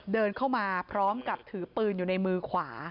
เดินเข้ามาพร้อมกับถือปืนอยู่ในมือขวา